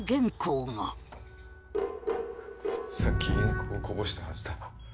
さっきインクをこぼしたはずだ。